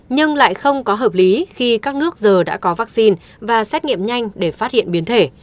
nhưng lại không có hợp lý khi các nước giờ đã có vaccine và xét nghiệm nhanh để phát hiện biến thể